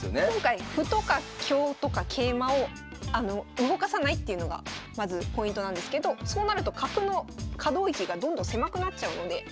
今回歩とか香とか桂馬を動かさないっていうのがまずポイントなんですけどそうなると角の可動域がどんどん狭くなっちゃうので。